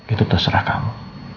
itu terserah kamu